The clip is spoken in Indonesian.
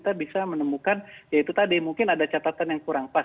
kita bisa menemukan ya itu tadi mungkin ada catatan yang kurang pas